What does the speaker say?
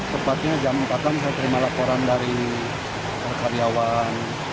tepatnya jam empat an saya terima laporan dari karyawan